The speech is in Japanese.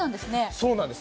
そうなんです。